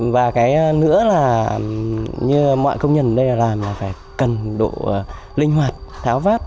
và cái nữa là như mọi công nhân ở đây làm là phải cần độ linh hoạt tháo vát